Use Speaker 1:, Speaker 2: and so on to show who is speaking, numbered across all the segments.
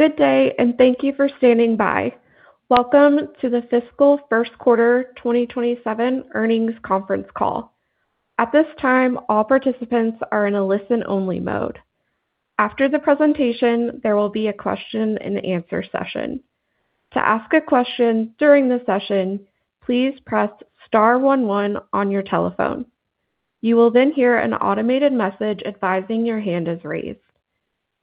Speaker 1: Good day. Thank you for standing by. Welcome to the fiscal first quarter 2027 earnings conference call. At this time, all participants are in a listen-only mode. After the presentation, there will be a question-and-answer session. To ask a question during the session, please press star one one on your telephone. You will then hear an automated message advising your hand is raised.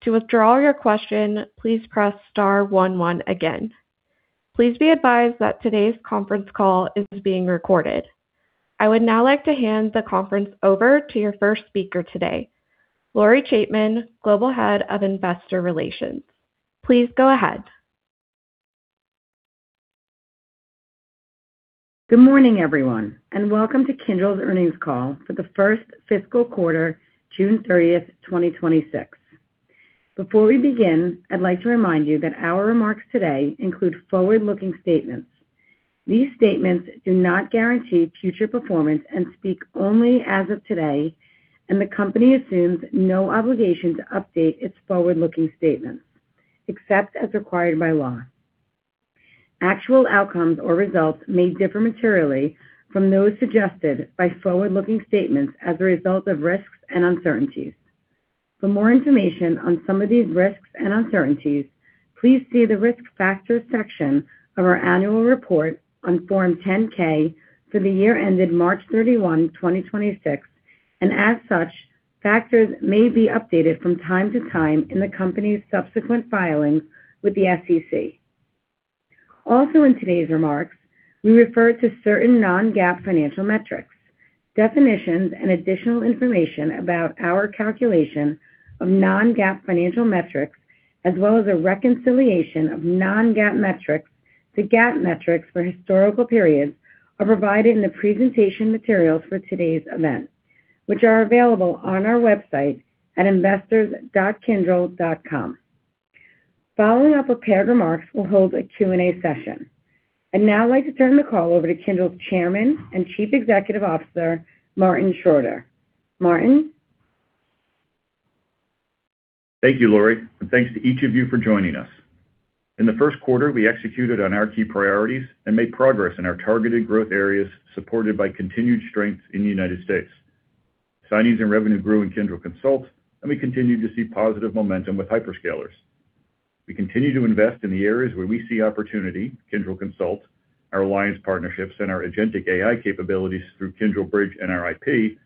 Speaker 1: To withdraw your question, please press star one one again. Please be advised that today's conference call is being recorded. I would now like to hand the conference over to your first speaker today, Lori Chaitman, Global Head of Investor Relations. Please go ahead.
Speaker 2: Good morning, everyone. Welcome to Kyndryl's earnings call for the first fiscal quarter, June 30th, 2026. Before we begin, I'd like to remind you that our remarks today include forward-looking statements. These statements do not guarantee future performance and speak only as of today. The company assumes no obligation to update its forward-looking statements, except as required by law. Actual outcomes or results may differ materially from those suggested by forward-looking statements as a result of risks and uncertainties. For more information on some of these risks and uncertainties, please see the Risk Factors section of our annual report on Form 10-K for the year ended March 31, 2026. As such, factors may be updated from time to time in the company's subsequent filings with the SEC. Also, in today's remarks, we refer to certain non-GAAP financial metrics. Definitions and additional information about our calculation of non-GAAP financial metrics, as well as a reconciliation of non-GAAP metrics to GAAP metrics for historical periods, are provided in the presentation materials for today's event, which are available on our website at investors.kyndryl.com. Following up with prepared remarks, we'll hold a Q&A session. I'd now like to turn the call over to Kyndryl's Chairman and Chief Executive Officer, Martin Schroeter. Martin?
Speaker 3: Thank you, Lori, and thanks to each of you for joining us. In the first quarter, we executed on our key priorities and made progress in our targeted growth areas, supported by continued strength in the United States. Signings and revenue grew in Kyndryl Consult. We continued to see positive momentum with hyperscalers. We continue to invest in the areas where we see opportunity, Kyndryl Consult, our alliance partnerships, and our agentic AI capabilities through Kyndryl Bridge and our IP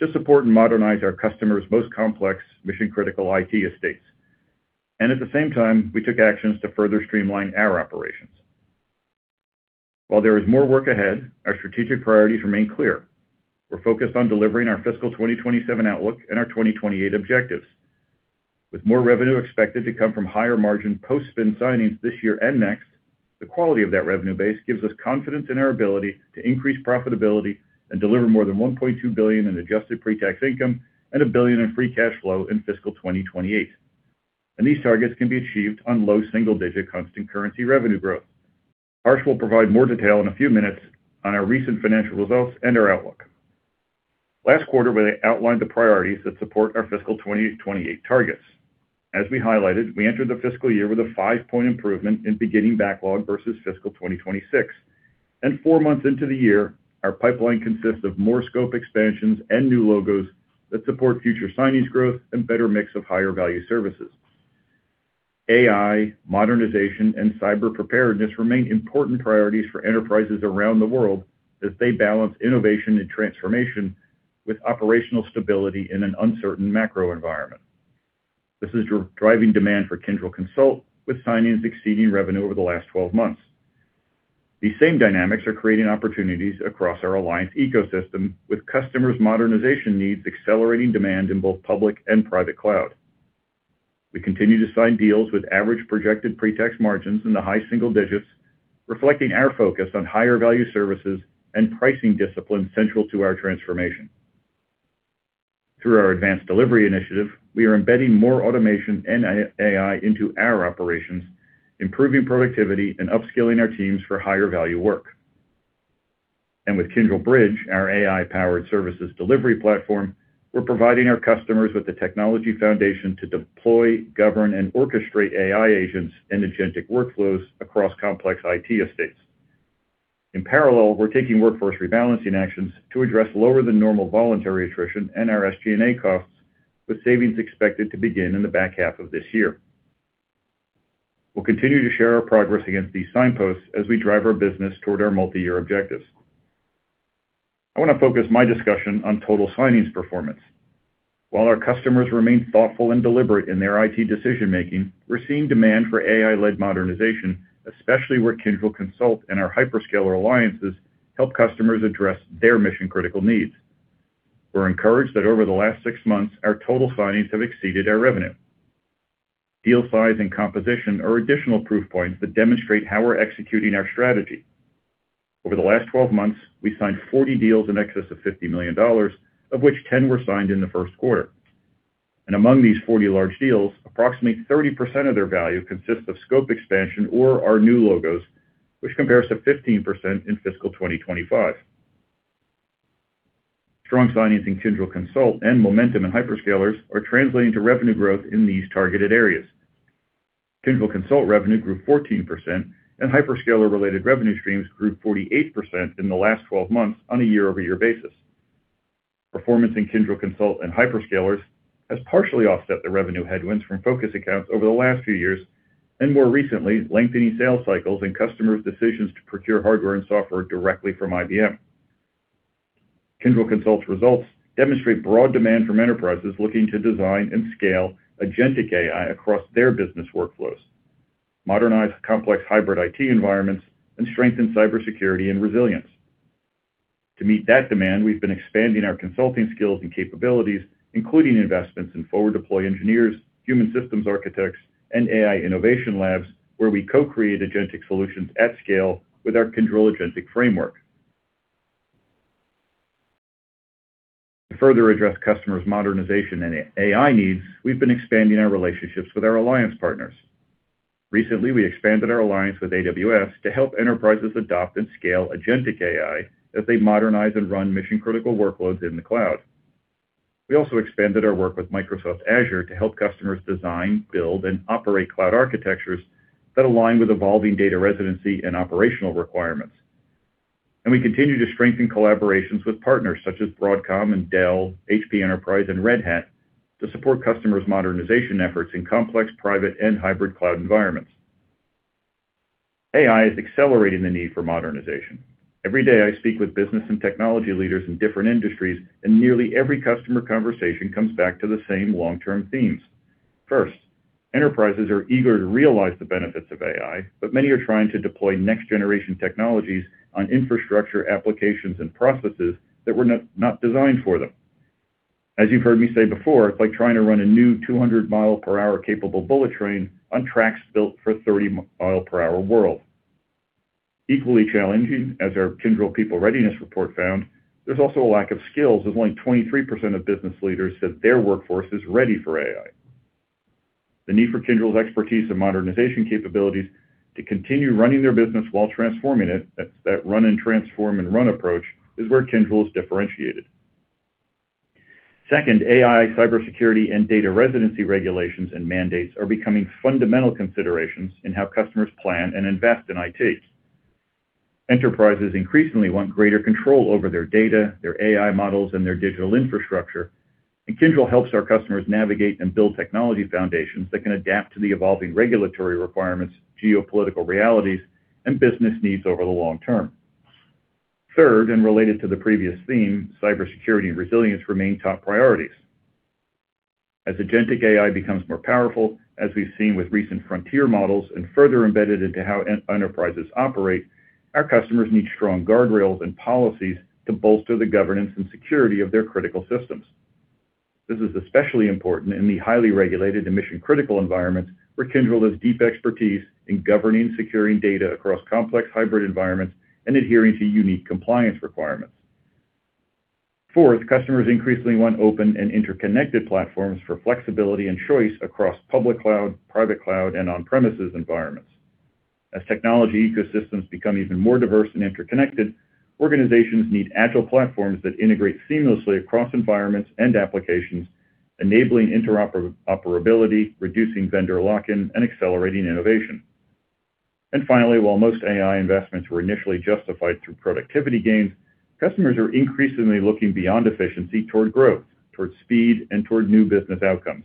Speaker 3: to support and modernize our customers' most complex mission-critical IT estates. At the same time, we took actions to further streamline our operations. While there is more work ahead, our strategic priorities remain clear. We're focused on delivering our fiscal 2027 outlook and our 2028 objectives. With more revenue expected to come from higher-margin post-spin signings this year and next, the quality of that revenue base gives us confidence in our ability to increase profitability and deliver more than $1.2 billion in adjusted pre-tax income and $1 billion in free cash flow in fiscal 2028. These targets can be achieved on low single-digit constant currency revenue growth. Harsh will provide more detail in a few minutes on our recent financial results and our outlook. Last quarter, we outlined the priorities that support our fiscal 2028 targets. As we highlighted, we entered the fiscal year with a 5-point improvement in beginning backlog versus fiscal 2026. Four months into the year, our pipeline consists of more scope expansions and new logos that support future signings growth and better mix of higher-value services. AI, modernization, and cyber preparedness remain important priorities for enterprises around the world as they balance innovation and transformation with operational stability in an uncertain macro environment. This is driving demand for Kyndryl Consult, with signings exceeding revenue over the last 12 months. These same dynamics are creating opportunities across our alliance ecosystem, with customers' modernization needs accelerating demand in both public and private cloud. We continue to sign deals with average projected pre-tax margins in the high single digits, reflecting our focus on higher-value services and pricing discipline central to our transformation. Through our advanced delivery initiative, we are embedding more automation and AI into our operations, improving productivity, and upskilling our teams for higher-value work. With Kyndryl Bridge, our AI-powered services delivery platform, we're providing our customers with the technology foundation to deploy, govern, and orchestrate AI agents and agentic workflows across complex IT estates. In parallel, we're taking workforce rebalancing actions to address lower than normal voluntary attrition and our SG&A costs, with savings expected to begin in the back half of this year. We'll continue to share our progress against these signposts as we drive our business toward our multi-year objectives. I want to focus my discussion on total signings performance. While our customers remain thoughtful and deliberate in their IT decision-making, we're seeing demand for AI-led modernization, especially where Kyndryl Consult and our hyperscaler alliances help customers address their mission-critical needs. We're encouraged that over the last six months, our total signings have exceeded our revenue. Deal size and composition are additional proof points that demonstrate how we're executing our strategy. Over the last 12 months, we signed 40 deals in excess of $50 million, of which 10 were signed in the first quarter. Among these 40 large deals, approximately 30% of their value consists of scope expansion or are new logos, which compares to 15% in fiscal 2025. Strong signings in Kyndryl Consult and momentum in hyperscalers are translating to revenue growth in these targeted areas. Kyndryl Consult revenue grew 14%, and hyperscaler-related revenue streams grew 48% in the last 12 months on a year-over-year basis. Performance in Kyndryl Consult and hyperscalers has partially offset the revenue headwinds from focus accounts over the last few years, and more recently, lengthening sales cycles and customers' decisions to procure hardware and software directly from IBM. Kyndryl Consult's results demonstrate broad demand from enterprises looking to design and scale agentic AI across their business workflows, modernize complex hybrid IT environments, and strengthen cybersecurity and resilience. To meet that demand, we've been expanding our consulting skills and capabilities, including investments in forward deploy engineers, human systems architects, and AI innovation labs, where we co-create agentic solutions at scale with our Kyndryl Agentic Framework. To further address customers' modernization and AI needs, we've been expanding our relationships with our alliance partners. Recently, we expanded our alliance with AWS to help enterprises adopt and scale agentic AI as they modernize and run mission-critical workloads in the cloud. We also expanded our work with Microsoft Azure to help customers design, build, and operate cloud architectures that align with evolving data residency and operational requirements. We continue to strengthen collaborations with partners such as Broadcom and Dell, HP Enterprise and Red Hat, to support customers' modernization efforts in complex private and hybrid cloud environments. AI is accelerating the need for modernization. Every day, I speak with business and technology leaders in different industries. Nearly every customer conversation comes back to the same long-term themes. First, enterprises are eager to realize the benefits of AI, but many are trying to deploy next-generation technologies on infrastructure, applications, and processes that were not designed for them. As you've heard me say before, it's like trying to run a new 200 mph capable bullet train on tracks built for 30 mph world. Equally challenging, as our Kyndryl People Readiness Report found, there's also a lack of skills, as only 23% of business leaders said their workforce is ready for AI. The need for Kyndryl's expertise and modernization capabilities to continue running their business while transforming it, that run and transform and run approach, is where Kyndryl is differentiated. Second, AI, cybersecurity, and data residency regulations and mandates are becoming fundamental considerations in how customers plan and invest in IT. Enterprises increasingly want greater control over their data, their AI models, and their digital infrastructure. Kyndryl helps our customers navigate and build technology foundations that can adapt to the evolving regulatory requirements, geopolitical realities, and business needs over the long term. Third, related to the previous theme, cybersecurity and resilience remain top priorities. As agentic AI becomes more powerful, as we've seen with recent frontier models, further embedded into how enterprises operate, our customers need strong guardrails and policies to bolster the governance and security of their critical systems. This is especially important in the highly regulated and mission-critical environments where Kyndryl has deep expertise in governing and securing data across complex hybrid environments and adhering to unique compliance requirements. Fourth, customers increasingly want open and interconnected platforms for flexibility and choice across public cloud, private cloud, and on-premises environments. As technology ecosystems become even more diverse and interconnected, organizations need agile platforms that integrate seamlessly across environments and applications, enabling interoperability, reducing vendor lock-in, and accelerating innovation. Finally, while most AI investments were initially justified through productivity gains, customers are increasingly looking beyond efficiency toward growth, towards speed, and toward new business outcomes.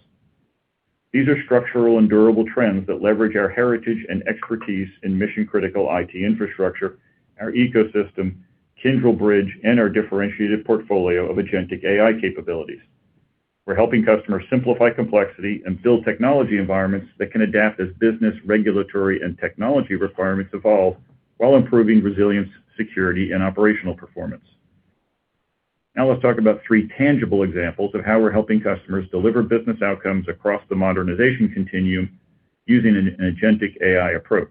Speaker 3: These are structural and durable trends that leverage our heritage and expertise in mission-critical IT infrastructure, our ecosystem, Kyndryl Bridge, and our differentiated portfolio of agentic AI capabilities. We're helping customers simplify complexity and build technology environments that can adapt as business, regulatory, and technology requirements evolve while improving resilience, security, and operational performance. Let's talk about three tangible examples of how we're helping customers deliver business outcomes across the modernization continuum using an agentic AI approach.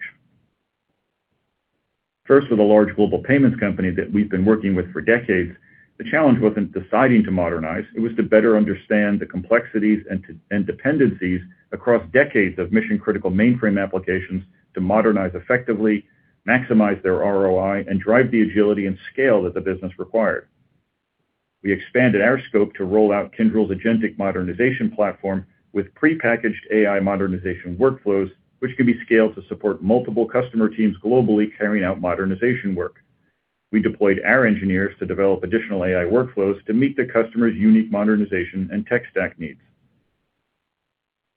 Speaker 3: First, with a large global payments company that we've been working with for decades, the challenge wasn't deciding to modernize, it was to better understand the complexities and dependencies across decades of mission-critical mainframe applications to modernize effectively, maximize their ROI, and drive the agility and scale that the business required. We expanded our scope to roll out Kyndryl's Agentic Modernization Platform with pre-packaged AI modernization workflows, which can be scaled to support multiple customer teams globally carrying out modernization work. We deployed our engineers to develop additional AI workflows to meet the customer's unique modernization and tech stack needs.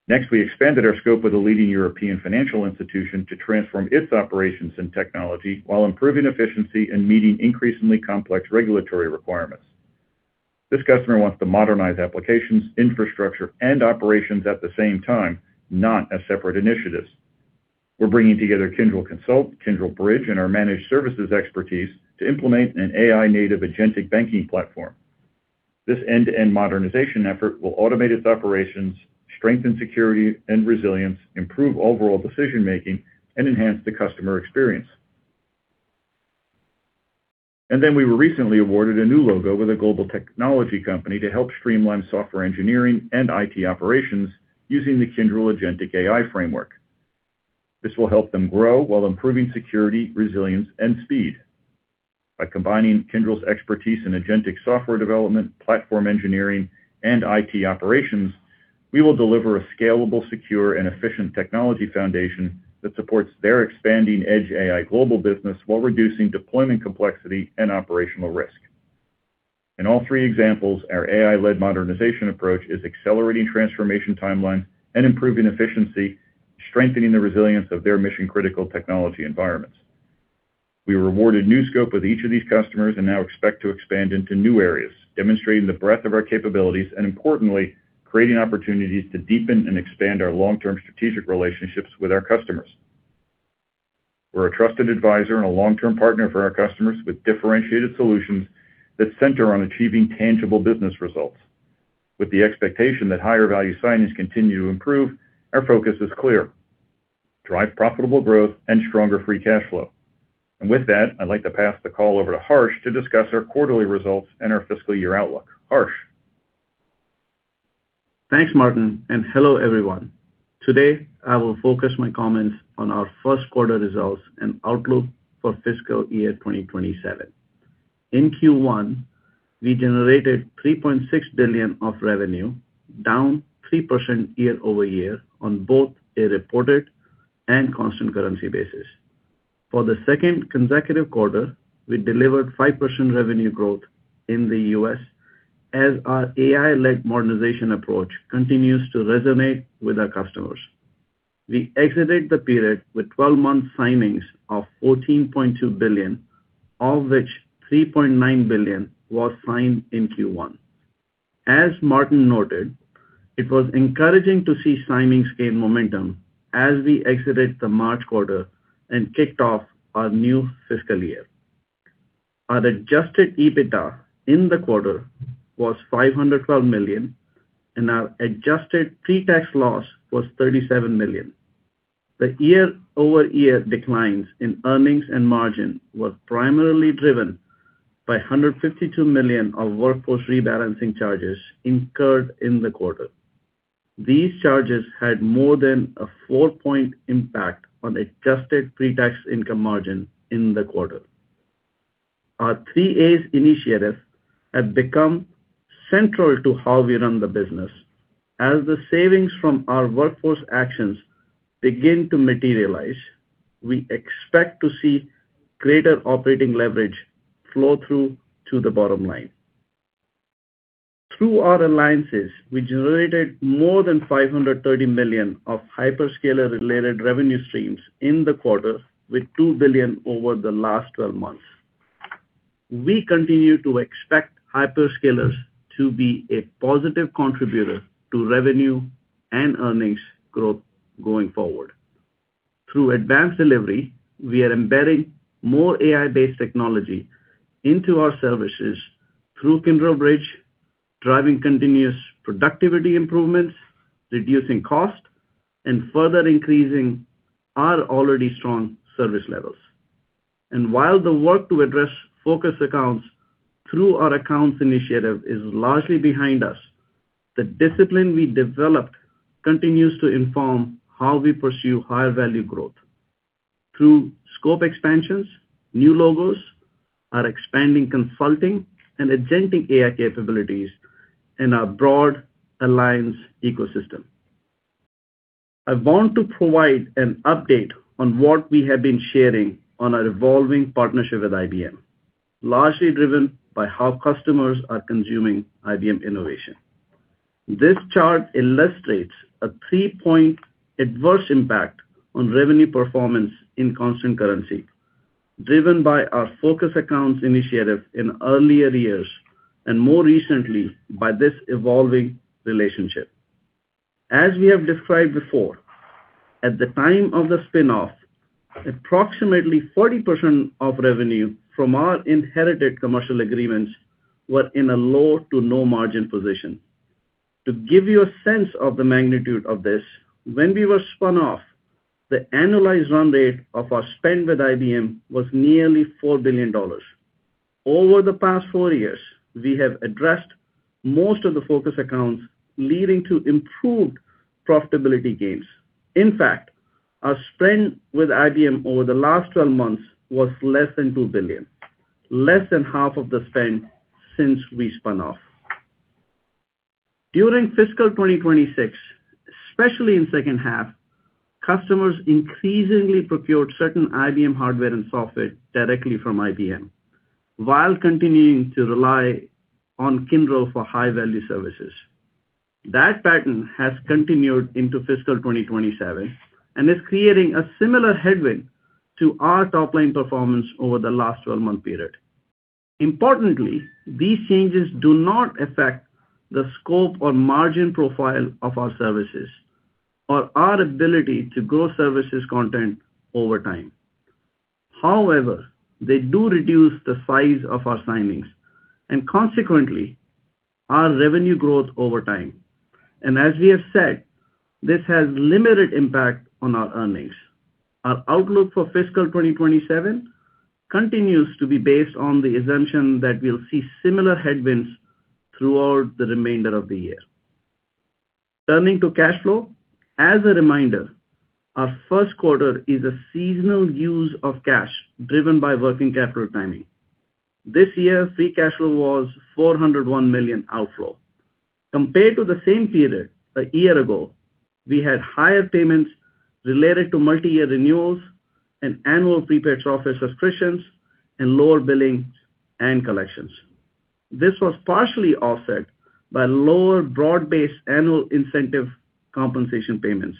Speaker 3: Next, we expanded our scope with a leading European financial institution to transform its operations and technology while improving efficiency and meeting increasingly complex regulatory requirements. This customer wants to modernize applications, infrastructure, and operations at the same time, not as separate initiatives. We're bringing together Kyndryl Consult, Kyndryl Bridge, and our managed services expertise to implement an AI-native agentic banking platform. This end-to-end modernization effort will automate its operations, strengthen security and resilience, improve overall decision-making, and enhance the customer experience. We were recently awarded a new logo with a global technology company to help streamline software engineering and IT operations using the Kyndryl Agentic AI Framework. This will help them grow while improving security, resilience, and speed. By combining Kyndryl's expertise in agentic software development, platform engineering, and IT operations, we will deliver a scalable, secure, and efficient technology foundation that supports their expanding Edge AI global business while reducing deployment complexity and operational risk. In all three examples, our AI-led modernization approach is accelerating transformation timeline and improving efficiency, strengthening the resilience of their mission-critical technology environments. We were awarded new scope with each of these customers and now expect to expand into new areas, demonstrating the breadth of our capabilities, and importantly, creating opportunities to deepen and expand our long-term strategic relationships with our customers. We're a trusted advisor and a long-term partner for our customers with differentiated solutions that center on achieving tangible business results. With the expectation that higher value signings continue to improve, our focus is clear: Drive profitable growth and stronger free cash flow. With that, I'd like to pass the call over to Harsh to discuss our quarterly results and our fiscal year outlook. Harsh?
Speaker 4: Thanks, Martin. Hello, everyone. Today, I will focus my comments on our first quarter results and outlook for fiscal year 2027. In Q1, we generated $3.6 billion of revenue, down 3% year-over-year on both a reported and constant currency basis. For the second consecutive quarter, we delivered 5% revenue growth in the U.S. as our AI-led modernization approach continues to resonate with our customers. We exited the period with 12-month signings of $14.2 billion, of which $3.9 billion was signed in Q1. As Martin noted, it was encouraging to see signings gain momentum as we exited the March quarter and kicked off our new fiscal year. Our adjusted EBITDA in the quarter was $512 million, and our adjusted pre-tax loss was $37 million. The year-over-year declines in earnings and margin were primarily driven by $152 million of workforce rebalancing charges incurred in the quarter. These charges had more than a 4-point impact on adjusted pre-tax income margin in the quarter. Our Three-A's initiatives have become central to how we run the business. As the savings from our workforce actions begin to materialize, we expect to see greater operating leverage flow through to the bottom line. Through our alliances, we generated more than $530 million of hyperscaler related revenue streams in the quarter with $2 billion over the last 12 months. We continue to expect hyperscalers to be a positive contributor to revenue and earnings growth going forward. Through advanced delivery, we are embedding more AI-based technology into our services through Kyndryl Bridge, driving continuous productivity improvements, reducing cost, and further increasing our already strong service levels. While the work to address focus accounts through our accounts initiative is largely behind us, the discipline we developed continues to inform how we pursue higher value growth through scope expansions, new logos, our expanding consulting, and agentic AI capabilities in our broad alliance ecosystem. I want to provide an update on what we have been sharing on our evolving partnership with IBM, largely driven by how customers are consuming IBM innovation. This chart illustrates a 3-point adverse impact on revenue performance in constant currency, driven by our focus accounts initiative in earlier years, and more recently, by this evolving relationship. As we have described before, at the time of the spinoff, approximately 40% of revenue from our inherited commercial agreements were in a low to no margin position. To give you a sense of the magnitude of this, when we were spun off, the annualized run rate of our spend with IBM was nearly $4 billion. Over the past four years, we have addressed most of the focus accounts leading to improved profitability gains. In fact, our spend with IBM over the last 12 months was less than $2 billion, less than half of the spend since we spun off. During fiscal 2026, especially in second half, customers increasingly procured certain IBM hardware and software directly from IBM, while continuing to rely on Kyndryl for high-value services. That pattern has continued into fiscal 2027 and is creating a similar headwind to our top-line performance over the last 12-month period. Importantly, these changes do not affect the scope or margin profile of our services or our ability to grow services content over time. However, they do reduce the size of our signings and consequently, our revenue growth over time. As we have said, this has limited impact on our earnings. Our outlook for fiscal 2027 continues to be based on the assumption that we'll see similar headwinds throughout the remainder of the year. Turning to cash flow, as a reminder, our first quarter is a seasonal use of cash driven by working capital timing. This year, free cash flow was $401 million outflow. Compared to the same period a year ago, we had higher payments related to multi-year renewals and annual prepared software subscriptions and lower billing and collections. This was partially offset by lower broad-based annual incentive compensation payments.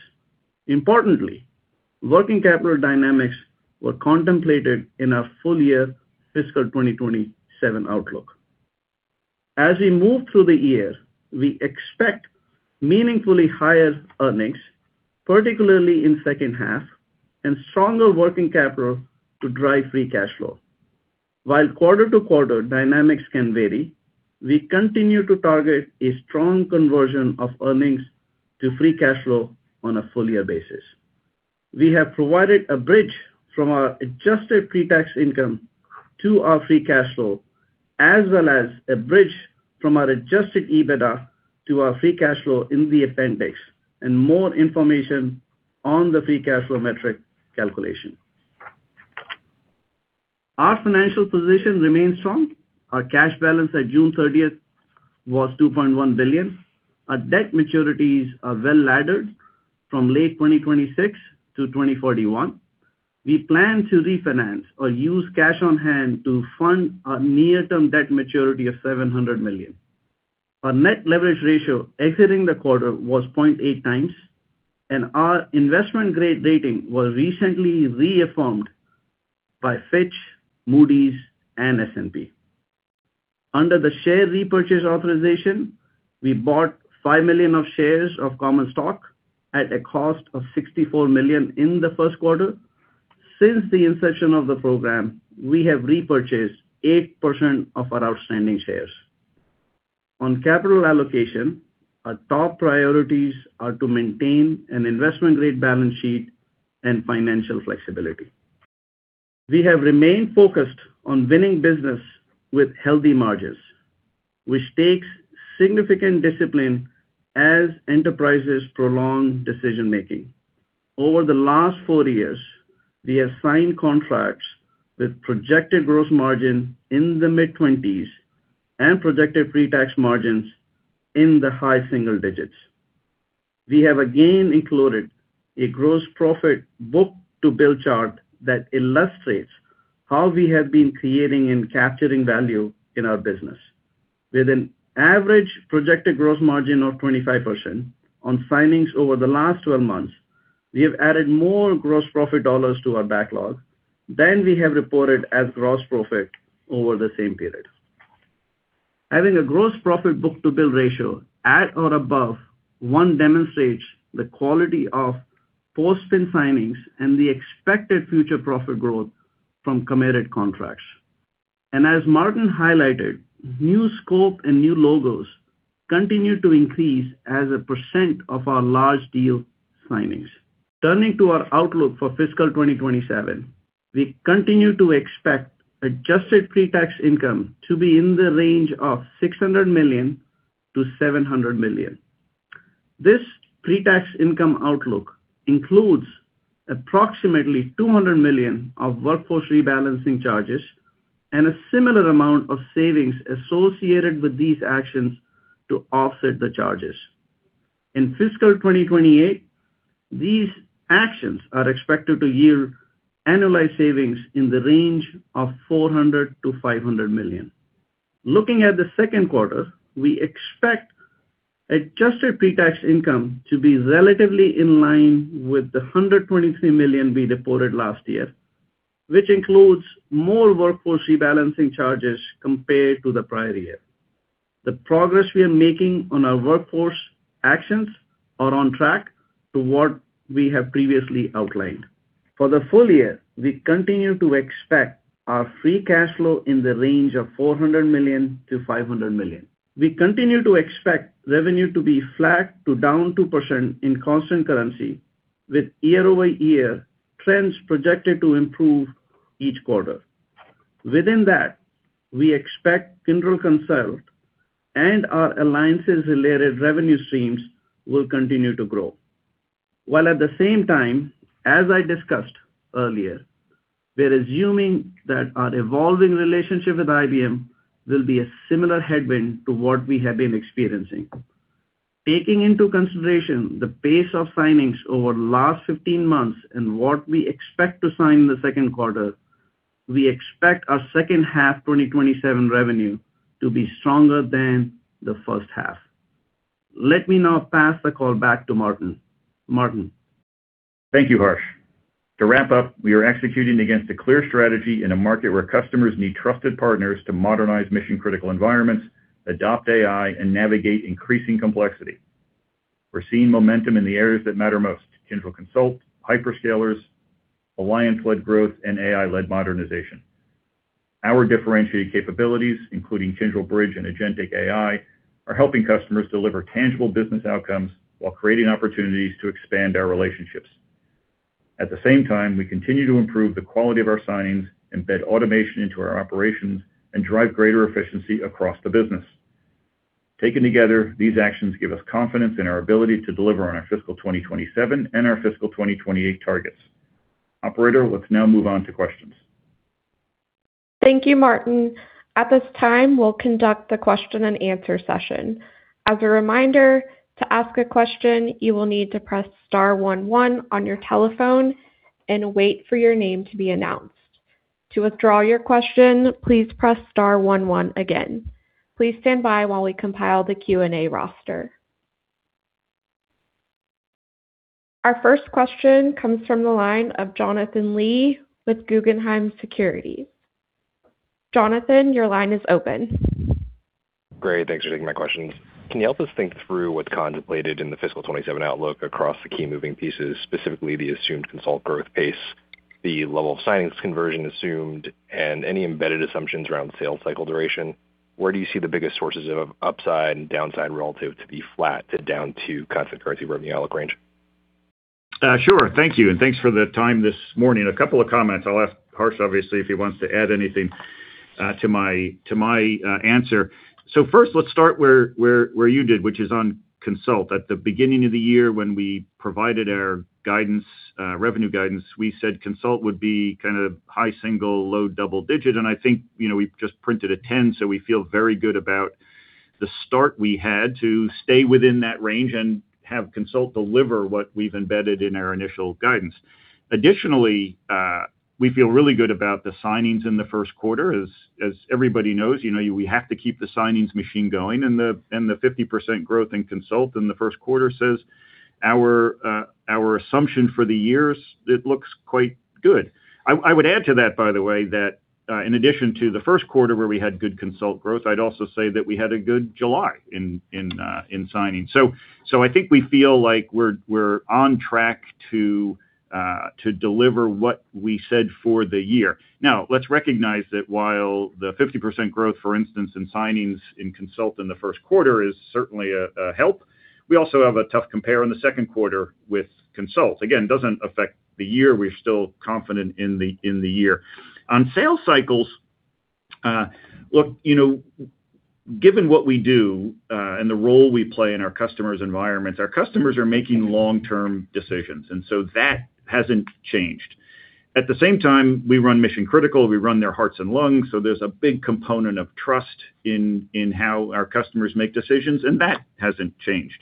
Speaker 4: Importantly, working capital dynamics were contemplated in our full-year fiscal 2027 outlook. As we move through the year, we expect meaningfully higher earnings, particularly in second half, and stronger working capital to drive free cash flow. While quarter-to-quarter dynamics can vary, we continue to target a strong conversion of earnings to free cash flow on a full-year basis. We have provided a bridge from our adjusted pre-tax income to our free cash flow, as well as a bridge from our adjusted EBITDA to our free cash flow in the appendix, and more information on the free cash flow metric calculation. Our financial position remains strong. Our cash balance at June 30th was $2.1 billion. Our debt maturities are well-laddered from late 2026 to 2041. We plan to refinance or use cash on hand to fund our near-term debt maturity of $700 million. Our net leverage ratio exiting the quarter was 0.8x, and our investment-grade rating was recently reaffirmed by Fitch, Moody's, and S&P. Under the share repurchase authorization, we bought 5 million of shares of common stock at a cost of $64 million in the first quarter. Since the inception of the program, we have repurchased 8% of our outstanding shares. On capital allocation, our top priorities are to maintain an investment-grade balance sheet and financial flexibility. We have remained focused on winning business with healthy margins, which takes significant discipline as enterprises prolong decision-making. Over the last four years, we have signed contracts with projected gross margin in the mid-20s and projected pre-tax margins in the high single digits. We have again included a gross profit book-to-bill chart that illustrates how we have been creating and capturing value in our business. With an average projected gross margin of 25% on signings over the last 12 months, we have added more gross profit dollars to our backlog than we have reported as gross profit over the same period. Having a gross profit book-to-bill ratio at or above 1 demonstrates the quality of post-spin signings and the expected future profit growth from committed contracts. As Martin highlighted, new scope and new logos continue to increase as a percent of our large deal signings. Turning to our outlook for fiscal 2027, we continue to expect adjusted pre-tax income to be in the range of $600 million-$700 million. This pre-tax income outlook includes approximately $200 million of workforce rebalancing charges and a similar amount of savings associated with these actions to offset the charges. In fiscal 2028, these actions are expected to yield annualized savings in the range of $400 million-$500 million. Looking at the second quarter, we expect adjusted pre-tax income to be relatively in line with the $123 million we reported last year, which includes more workforce rebalancing charges compared to the prior year. The progress we are making on our workforce actions are on track to what we have previously outlined. For the full-year, we continue to expect our free cash flow in the range of $400 million-$500 million. We continue to expect revenue to be flat to down 2% in constant currency, with year-over-year trends projected to improve each quarter. Within that, we expect Kyndryl Consult and our alliances-related revenue streams will continue to grow. While at the same time, as I discussed earlier, we're assuming that our evolving relationship with IBM will be a similar headwind to what we have been experiencing. Taking into consideration the pace of signings over the last 15 months and what we expect to sign in the second quarter, we expect our second half 2027 revenue to be stronger than the first half. Let me now pass the call back to Martin. Martin?
Speaker 3: Thank you, Harsh. To wrap up, we are executing against a clear strategy in a market where customers need trusted partners to modernize mission-critical environments, adopt AI, and navigate increasing complexity. We're seeing momentum in the areas that matter most, Kyndryl Consult, hyperscalers, alliance-led growth, and AI-led modernization. Our differentiated capabilities, including Kyndryl Bridge and agentic AI, are helping customers deliver tangible business outcomes while creating opportunities to expand our relationships. At the same time, we continue to improve the quality of our signings, embed automation into our operations, and drive greater efficiency across the business. Taken together, these actions give us confidence in our ability to deliver on our fiscal 2027 and our fiscal 2028 targets. Operator, let's now move on to questions.
Speaker 1: Thank you, Martin. At this time, we'll conduct the question-and-answer session. As a reminder, to ask a question, you will need to press star one one on your telephone and wait for your name to be announced. To withdraw your question, please press star one one again. Please stand by while we compile the Q&A roster. Our first question comes from the line of Jonathan Lee with Guggenheim Securities. Jonathan, your line is open.
Speaker 5: Great. Thanks for taking my questions. Can you help us think through what's contemplated in the fiscal 2027 outlook across the key moving pieces, specifically the assumed Consult growth pace, the level of signings conversion assumed, and any embedded assumptions around sales cycle duration? Where do you see the biggest sources of upside and downside relative to the flat to down two constant currency revenue outlook range?
Speaker 3: Sure. Thank you, and thanks for the time this morning. A couple of comments. I will ask Harsh, obviously, if he wants to add anything to my answer. First, let us start where you did, which is on Kyndryl Consult. At the beginning of the year when we provided our revenue guidance, we said Kyndryl Consult would be high single, low double digit, and I think we have just printed a 10, so we feel very good about the start we had to stay within that range and have Kyndryl Consult deliver what we have embedded in our initial guidance. Additionally, we feel really good about the signings in the first quarter. As everybody knows, we have to keep the signings machine going, and the 50% growth in Kyndryl Consult in the first quarter says our assumption for the year looks quite good. I would add to that, by the way, that in addition to the first quarter where we had good Kyndryl Consult growth, I would also say that we had a good July in signings. I think we feel like we are on track to deliver what we said for the year. Now, let us recognize that while the 50% growth, for instance, in signings in Kyndryl Consult in the first quarter is certainly a help. We also have a tough compare in the second quarter with Kyndryl Consult. Again, does not affect the year. We are still confident in the year. On sales cycles, given what we do and the role we play in our customers' environments, our customers are making long-term decisions, that has not changed. At the same time, we run mission critical, we run their hearts and lungs, there is a big component of trust in how our customers make decisions, and that has not changed.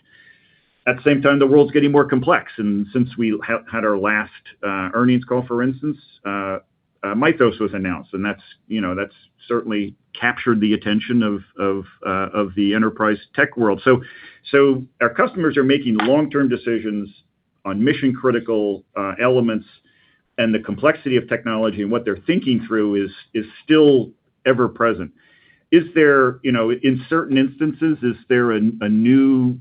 Speaker 3: At the same time, the world is getting more complex, and since we had our last earnings call, for instance, Mythos was announced, and that has certainly captured the attention of the enterprise tech world. Our customers are making long-term decisions on mission-critical elements, and the complexity of technology and what they are thinking through is still ever present. In certain instances, is there a new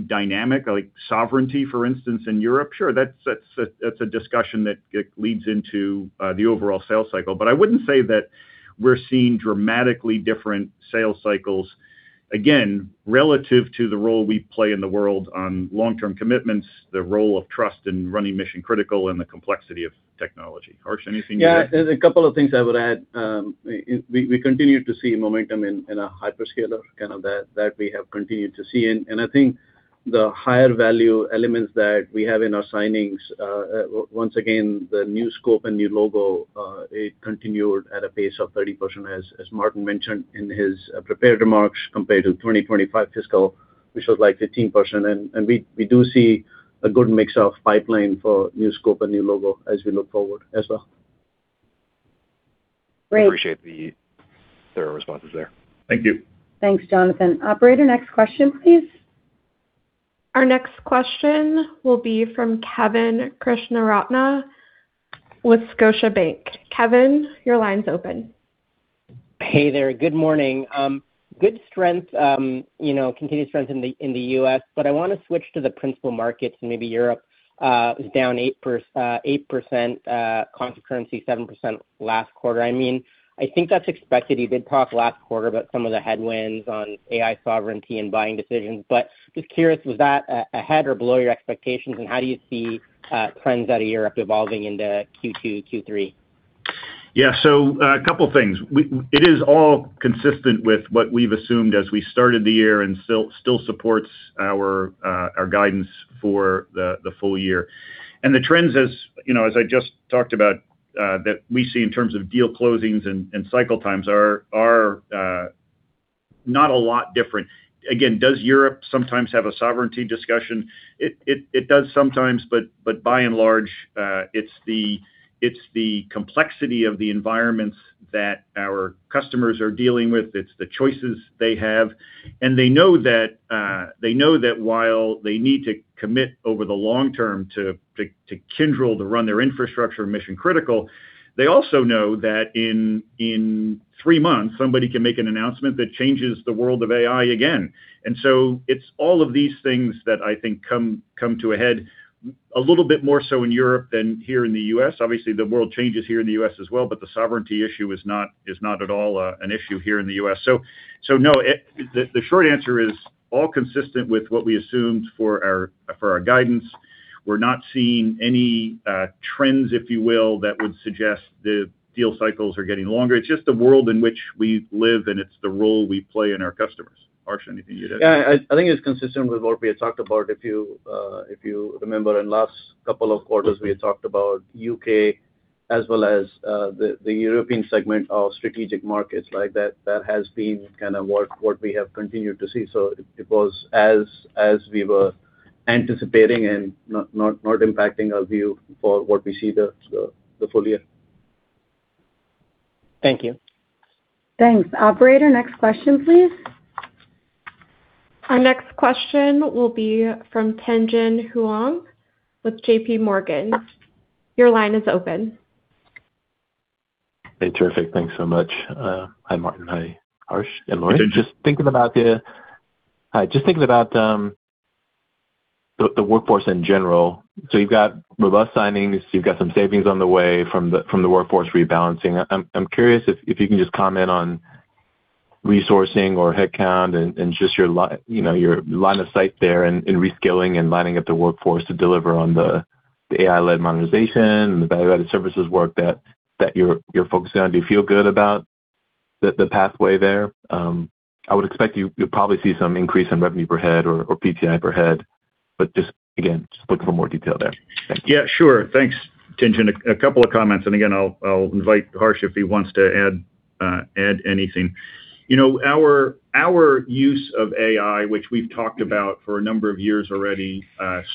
Speaker 3: dynamic, like sovereignty, for instance, in Europe? Sure. That is a discussion that leads into the overall sales cycle. I would not say that we are seeing dramatically different sales cycles, again, relative to the role we play in the world on long-term commitments, the role of trust in running mission critical, and the complexity of technology. Harsh, anything you would add?
Speaker 4: Yeah, there's a couple of things I would add. I think the higher value elements that we have in our signings, once again, the new scope and new logo, it continued at a pace of 30%, as Martin mentioned in his prepared remarks, compared to 2025 fiscal, which was like 15%. We do see a good mix of pipeline for new scope and new logo as we look forward as well.
Speaker 2: Great.
Speaker 5: Appreciate the thorough responses there.
Speaker 3: Thank you.
Speaker 2: Thanks, Jonathan. Operator, next question, please.
Speaker 1: Our next question will be from Kevin Krishnaratne with Scotiabank. Kevin, your line's open.
Speaker 6: Hey there. Good morning. Good strength, continued strength in the U.S., I want to switch to the Principal Markets, and maybe Europe was down 8%, constant currency 7% last quarter. I think that's expected. You did talk last quarter about some of the headwinds on AI sovereignty and buying decisions, just curious, was that ahead or below your expectations, and how do you see trends out of Europe evolving into Q2, Q3?
Speaker 3: Yeah. A couple of things. It is all consistent with what we've assumed as we started the year and still supports our guidance for the full-year. The trends, as I just talked about, that we see in terms of deal closings and cycle times are not a lot different. Again, does Europe sometimes have a sovereignty discussion? It does sometimes, but by and large, it's the complexity of the environments that our customers are dealing with. It's the choices they have. They know that while they need to commit over the long term to Kyndryl to run their infrastructure mission critical, they also know that in three months, somebody can make an announcement that changes the world of AI again. It's all of these things that I think come to a head a little bit more so in Europe than here in the U.S. Obviously, the world changes here in the U.S. as well, the sovereignty issue is not at all an issue here in the U.S. No, the short answer is all consistent with what we assumed for our guidance. We're not seeing any trends, if you will, that would suggest the deal cycles are getting longer. It's just the world in which we live, and it's the role we play in our customers. Harsh, anything you'd add?
Speaker 4: Yeah, I think it's consistent with what we had talked about. If you remember in last couple of quarters, we had talked about U.K. as well as the European segment of Strategic Markets. That has been kind of what we have continued to see. It was as we were anticipating and not impacting our view for what we see the full-year.
Speaker 6: Thank you.
Speaker 2: Thanks. Operator, next question, please.
Speaker 1: Our next question will be from Tien-Tsin Huang with JPMorgan. Your line is open.
Speaker 7: Hey, terrific. Thanks so much. Hi, Martin. Hi, Harsh and Lori.
Speaker 3: Hey, Tien-Tsin.
Speaker 7: Just thinking about the workforce in general. You've got robust signings, you've got some savings on the way from the workforce rebalancing. I'm curious if you can just comment on resourcing or headcount and just your line of sight there in reskilling and lining up the workforce to deliver on the AI-led modernization and the value-added services work that you're focusing on. Do you feel good about the pathway there? I would expect you'd probably see some increase in revenue per head or PTI per head, just again, just looking for more detail there. Thanks.
Speaker 3: Yeah, sure. Thanks, Tien-Tsin. A couple of comments, again, I'll invite Harsh if he wants to add anything. Our use of AI, which we've talked about for a number of years already,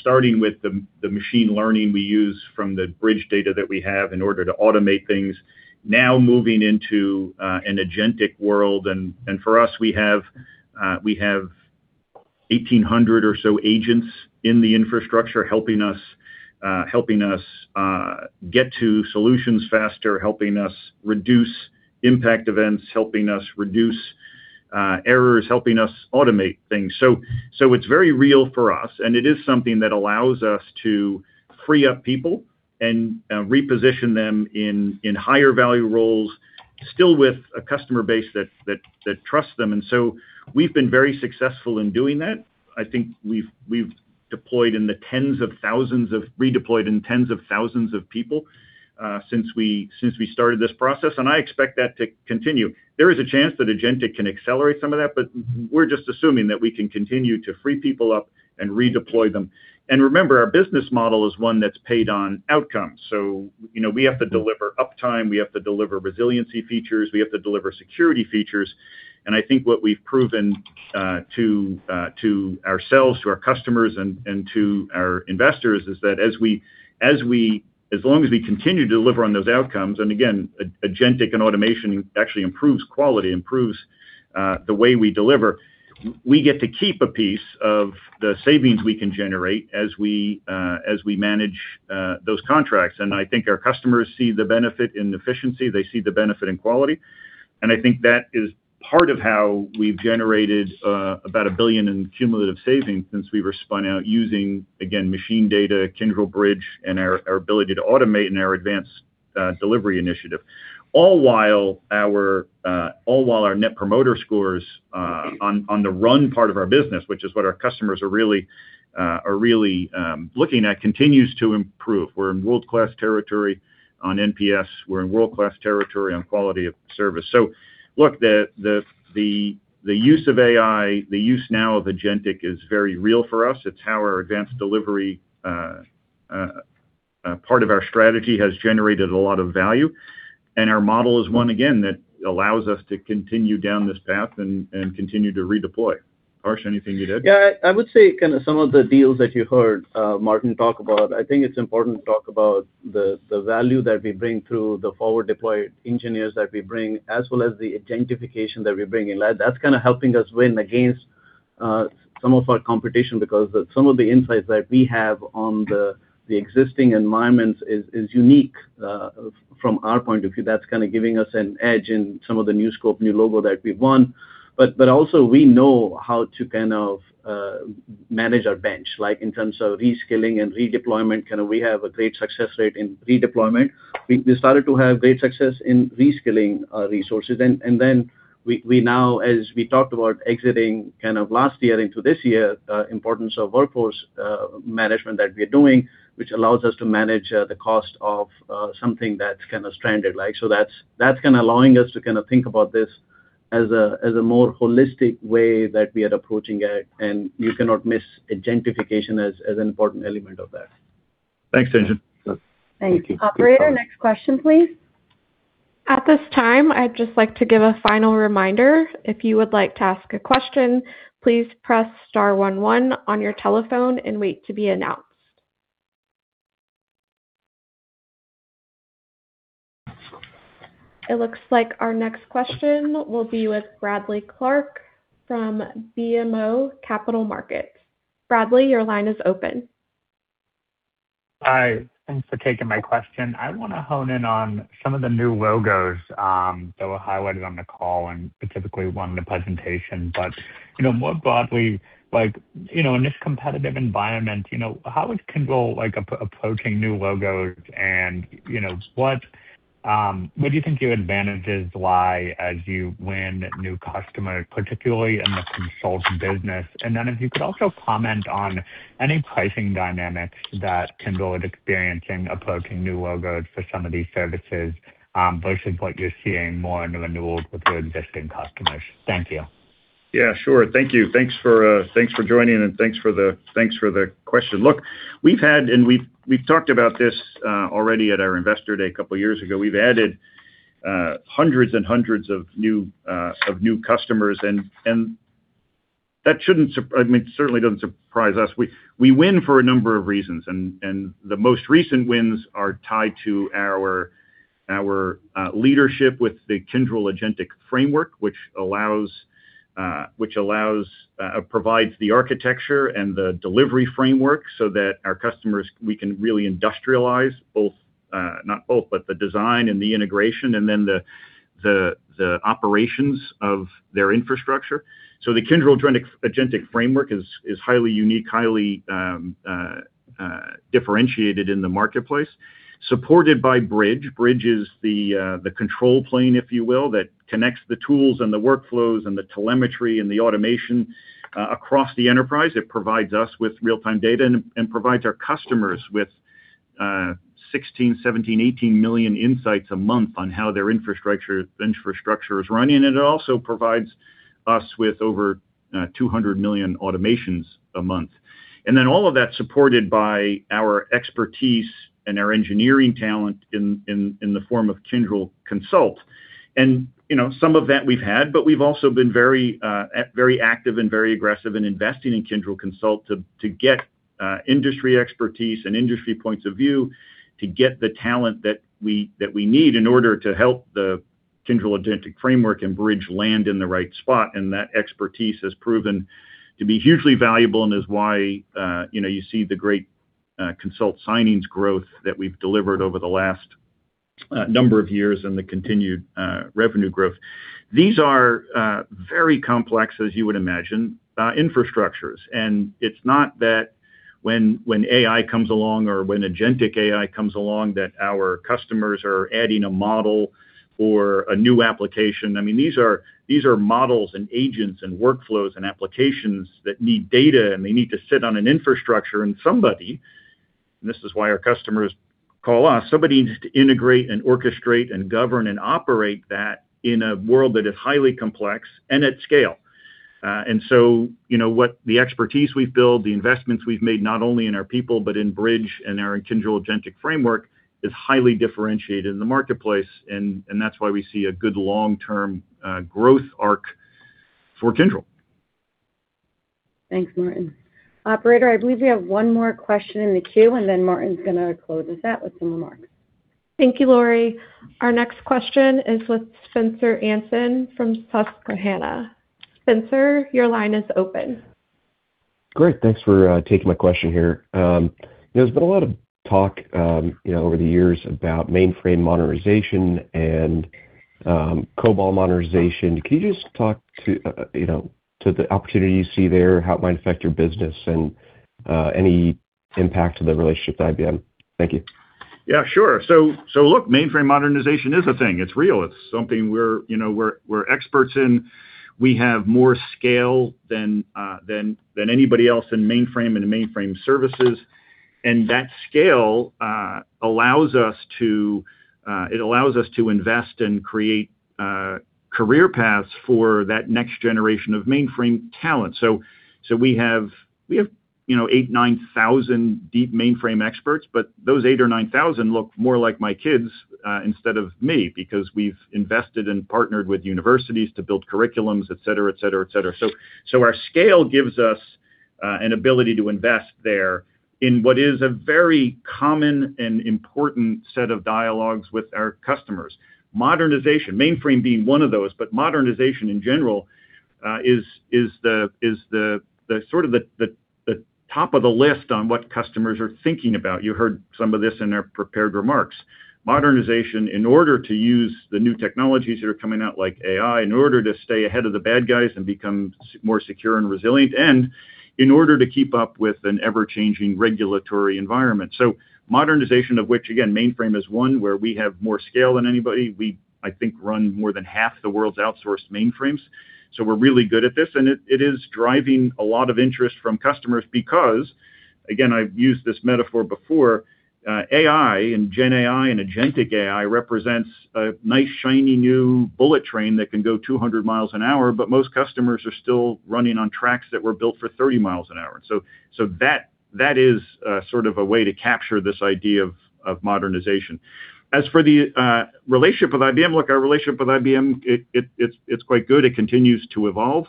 Speaker 3: starting with the machine learning we use from the Bridge data that we have in order to automate things, now moving into an agentic world, for us, we have 1,800 or so agents in the infrastructure helping us get to solutions faster, helping us reduce impact events, helping us reduce errors, helping us automate things. It's very real for us, and it is something that allows us to free up people and reposition them in higher value roles, still with a customer base that trusts them. We've been very successful in doing that. I think we've redeployed in tens of thousands of people since we started this process, I expect that to continue. There is a chance that agentic can accelerate some of that, we're just assuming that we can continue to free people up and redeploy them. Remember, our business model is one that's paid on outcomes. We have to deliver uptime, we have to deliver resiliency features, we have to deliver security features. I think what we've proven to ourselves, to our customers, and to our investors is that as long as we continue to deliver on those outcomes, again, agentic and automation actually improves quality, improves the way we deliver. We get to keep a piece of the savings we can generate as we manage those contracts. I think our customers see the benefit in efficiency, they see the benefit in quality. I think that is part of how we've generated about $1 billion in cumulative savings since we were spun out using, again, machine data, Kyndryl Bridge, and our ability to automate and our Advanced Delivery initiative. All while our net promoter scores on the run part of our business, which is what our customers are really looking at, continues to improve. We're in world-class territory on NPS. We're in world-class territory on quality of service. The use of AI, the use now of agentic is very real for us. It's how our Advanced Delivery part of our strategy has generated a lot of value, and our model is one, again, that allows us to continue down this path and continue to redeploy. Harsh, anything you'd add?
Speaker 4: I would say some of the deals that you heard Martin talk about, I think it's important to talk about the value that we bring through the forward deployed engineers that we bring, as well as the agentification that we're bringing. That's helping us win against some of our competition because some of the insights that we have on the existing environments is unique from our point of view. That's giving us an edge in some of the new scope, new logo that we've won. Also we know how to manage our bench, in terms of reskilling and redeployment. We have a great success rate in redeployment. We started to have great success in reskilling resources. We now, as we talked about exiting last year into this year, importance of workforce management that we are doing, which allows us to manage the cost of something that's stranded. That's allowing us to think about this as a more holistic way that we are approaching it, and you cannot miss agentification as an important element of that.
Speaker 3: Thanks, Tien-Tsin.
Speaker 7: Yeah. Thank you.
Speaker 2: Thank you. Operator, next question, please.
Speaker 1: At this time, I'd just like to give a final reminder. If you would like to ask a question, please press star one one on your telephone and wait to be announced. It looks like our next question will be with Bradley Clark from BMO Capital Markets. Bradley, your line is open.
Speaker 8: Hi, thanks for taking my question. I want to hone in on some of the new logos that were highlighted on the call, and specifically one in the presentation. More broadly, in this competitive environment, how is Kyndryl approaching new logos and where do you think your advantages lie as you win new customers, particularly in the Kyndryl Consult business? If you could also comment on any pricing dynamics that Kyndryl is experiencing approaching new logos for some of these services versus what you're seeing more in renewals with your existing customers. Thank you.
Speaker 3: Yeah, sure. Thank you. Thanks for joining and thanks for the question. Look, we've had, and we've talked about this already at our Investor Day a couple of years ago. We've added hundreds and hundreds of new customers, and that certainly doesn't surprise us. We win for a number of reasons, and the most recent wins are tied to our leadership with the Kyndryl Agentic Framework, which provides the architecture and the delivery framework so that our customers, we can really industrialize the design and the integration, and then the operations of their infrastructure. The Kyndryl Agentic Framework is highly unique, highly differentiated in the marketplace, supported by Kyndryl Bridge. Kyndryl Bridge is the control plane, if you will, that connects the tools and the workflows and the telemetry and the automation across the enterprise. It provides us with real-time data and provides our customers with 16 million, 17 million, 18 million insights a month on how their infrastructure is running. It also provides us with over 200 million automations a month. All of that's supported by our expertise and our engineering talent in the form of Kyndryl Consult. Some of that we've had, but we've also been very active and very aggressive in investing in Kyndryl Consult to get industry expertise and industry points of view, to get the talent that we need in order to help the Kyndryl Agentic Framework and Kyndryl Bridge land in the right spot. That expertise has proven to be hugely valuable and is why you see the great Consult signings growth that we've delivered over the last number of years and the continued revenue growth. These are very complex, as you would imagine, infrastructures. It's not that when AI comes along or when agentic AI comes along, that our customers are adding a model or a new application. These are models and agents and workflows and applications that need data, and they need to sit on an infrastructure. Somebody, and this is why our customers call us, somebody needs to integrate and orchestrate and govern and operate that in a world that is highly complex and at scale. What the expertise we've built, the investments we've made, not only in our people, but in Kyndryl Bridge and our Kyndryl Agentic Framework, is highly differentiated in the marketplace, and that's why we see a good long-term growth arc for Kyndryl.
Speaker 2: Thanks, Martin. Operator, I believe we have one more question in the queue, and then Martin's going to close us out with some remarks.
Speaker 1: Thank you, Lori. Our next question is with Spencer Anson from Susquehanna. Spencer, your line is open.
Speaker 9: Great. Thanks for taking my question here. There's been a lot of talk over the years about mainframe modernization and COBOL modernization. Can you just talk to the opportunity you see there, how it might affect your business, and any impact to the relationship with IBM? Thank you.
Speaker 3: Yeah, sure. Look, mainframe modernization is a thing. It's real. It's something we're experts in. We have more scale than anybody else in mainframe and mainframe services. That scale allows us to invest and create career paths for that next generation of mainframe talent. We have 8,000, 9,000 deep mainframe experts, but those 8,000 or 9,000 look more like my kids, instead of me, because we've invested and partnered with universities to build curriculums, et cetera. Our scale gives us an ability to invest there in what is a very common and important set of dialogues with our customers. Modernization, mainframe being one of those, but modernization in general, is the sort of the top of the list on what customers are thinking about. You heard some of this in our prepared remarks. Modernization, in order to use the new technologies that are coming out, like AI, in order to stay ahead of the bad guys and become more secure and resilient, and in order to keep up with an ever-changing regulatory environment. Modernization of which, again, mainframe is one where we have more scale than anybody. We, I think, run more than half the world's outsourced mainframes. We're really good at this, and it is driving a lot of interest from customers because, again, I've used this metaphor before, AI and GenAI and agentic AI represents a nice, shiny new bullet train that can go 200 mi an hour, but most customers are still running on tracks that were built for 30 mi an hour. That is sort of a way to capture this idea of modernization. As for the relationship with IBM, look, our relationship with IBM, it's quite good. It continues to evolve.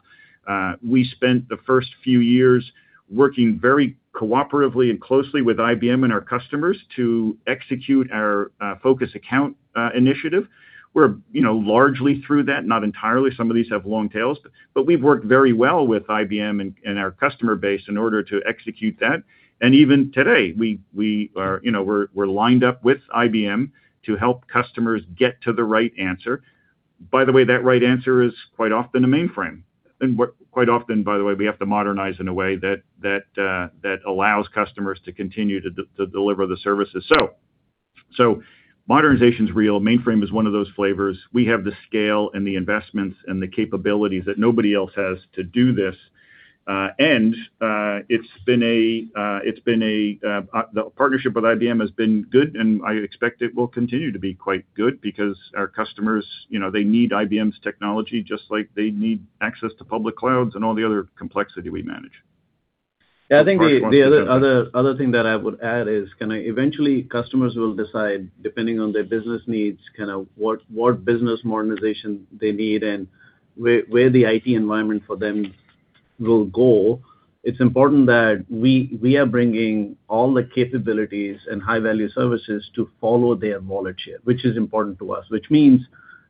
Speaker 3: We spent the first few years working very cooperatively and closely with IBM and our customers to execute our Focus Account initiative. We're largely through that, not entirely. Some of these have long tails. But we've worked very well with IBM and our customer base in order to execute that. Even today, we're lined up with IBM to help customers get to the right answer. By the way, that right answer is quite often a mainframe. And quite often, by the way, we have to modernize in a way that allows customers to continue to deliver the services. So modernization is real. Mainframe is one of those flavors. We have the scale and the investments and the capabilities that nobody else has to do this. The partnership with IBM has been good, and I expect it will continue to be quite good because our customers, they need IBM's technology just like they need access to public clouds and all the other complexity we manage.
Speaker 4: Yeah, I think the other thing that I would add is, eventually customers will decide, depending on their business needs, what business modernization they need and where the IT environment for them will go. It's important that we are bringing all the capabilities and high-value services to follow their volunteer, which is important to us. This means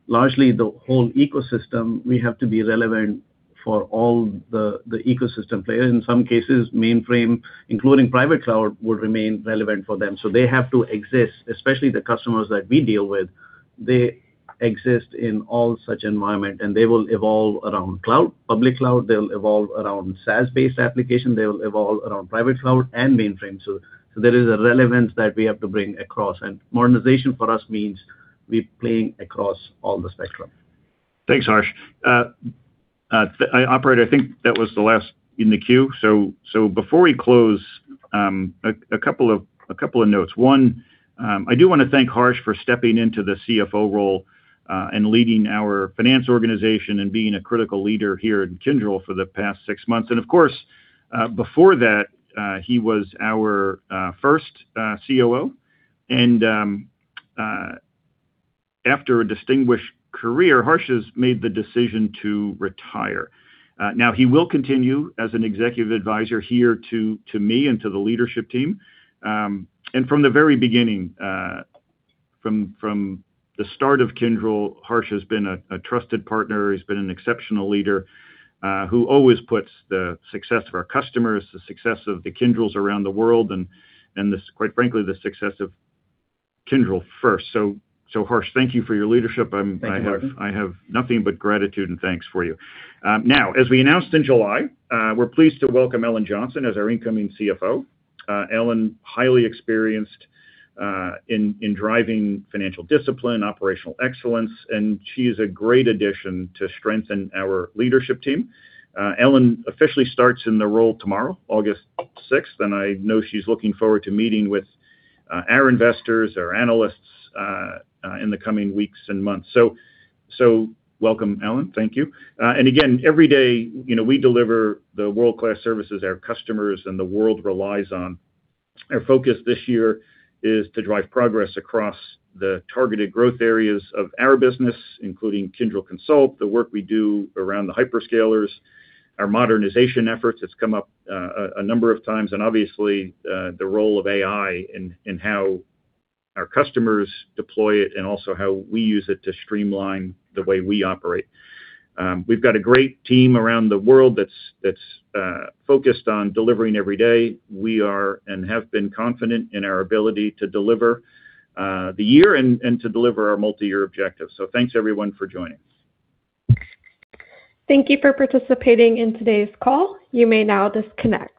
Speaker 4: largely the whole ecosystem, we have to be relevant for all the ecosystem players. In some cases, mainframe, including private cloud, will remain relevant for them. They have to exist, especially the customers that we deal with, they exist in all such environment, and they will evolve around cloud, public cloud, they'll evolve around SaaS-based application, they'll evolve around private cloud and mainframe. There is a relevance that we have to bring across. And modernization for us means we're playing across all the spectrum.
Speaker 3: Thanks, Harsh. Operator, I think that was the last in the queue. Before we close, a couple of notes. One, I do want to thank Harsh for stepping into the CFO role, and leading our finance organization, and being a critical leader here at Kyndryl for the past six months. Of course, before that, he was our first COO. After a distinguished career, Harsh has made the decision to retire. Now he will continue as an executive advisor here to me and to the leadership team. From the very beginning, from the start of Kyndryl, Harsh has been a trusted partner, he's been an exceptional leader who always puts the success of our customers, the success of the Kyndryls around the world, and quite frankly, the success of Kyndryl first. Harsh, thank you for your leadership.
Speaker 4: Thank you, Martin.
Speaker 3: As we announced in July, we're pleased to welcome Ellen Johnson as our incoming CFO. Ellen, highly experienced in driving financial discipline, operational excellence, and she is a great addition to strengthen our leadership team. Ellen officially starts in the role tomorrow, August 6th, and I know she's looking forward to meeting with our investors, our analysts, in the coming weeks and months. Welcome, Ellen. Thank you. Again, every day, we deliver the world-class services our customers and the world relies on. Our focus this year is to drive progress across the targeted growth areas of our business, including Kyndryl Consult, the work we do around the hyperscalers, our modernization efforts, it's come up a number of times, and obviously, the role of AI and how our customers deploy it, and also how we use it to streamline the way we operate. We've got a great team around the world that's focused on delivering every day. We are, and have been confident in our ability to deliver the year and to deliver our multiyear objectives. Thanks everyone for joining.
Speaker 1: Thank you for participating in today's call. You may now disconnect